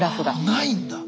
ないんだ。